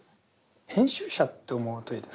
編集者って思うといいですかね。